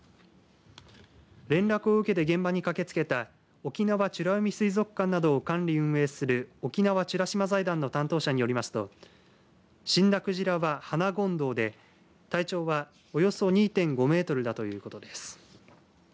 連絡を受けて現場に駆けつけた沖縄美ら海水族館などを管理、運営する沖縄美ら島財団の担当者によりますと死んだクジラはハナゴンドウで体長は、およそ２．５メートルだということです